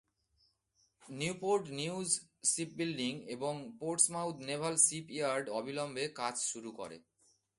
Newport News Shipbuilding এবং Portsmouth Naval Shipyard অবিলম্বে কাজ শুরু করে।